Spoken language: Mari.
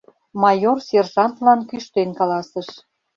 — майор сержантлан кӱштен каласыш.